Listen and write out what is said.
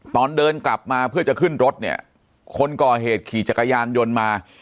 ตอนเดินกลับมาเพื่อจะขึ้นรถเนี่ยคนก่อเหตุขี่จักรยานยนต์มา